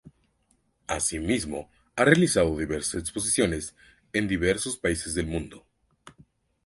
Así mismo ha realizado diversas exposiciones en diversos países del mundo.